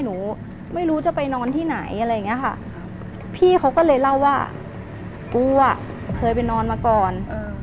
หนูไม่รู้จะไปนอนที่ไหนอะไรอย่างเงี้ยค่ะพี่เขาก็เลยเล่าว่ากูอ่ะเคยไปนอนมาก่อน